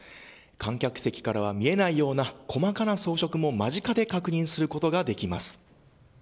観客席からは見えないような細かな装飾も間近で確認することができます。